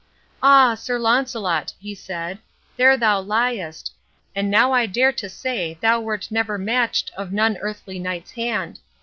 "Ah, Sir Launcelot!" he said, "there thou liest. And now I dare to say thou wert never matched of none earthly knight's hand.